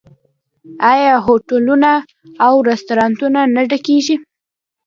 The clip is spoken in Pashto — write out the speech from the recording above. آیا هوټلونه او رستورانتونه نه ډکیږي؟